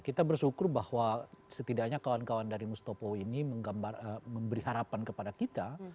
kita bersyukur bahwa setidaknya kawan kawan dari mustopo ini memberi harapan kepada kita